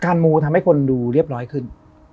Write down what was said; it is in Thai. มูทำให้คนดูเรียบร้อยขึ้น